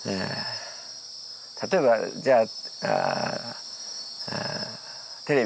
例えばじゃあ。